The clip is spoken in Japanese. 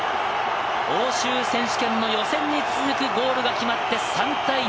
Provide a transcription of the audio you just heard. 欧州選手権の予選に続くゴールが決まって、３対２。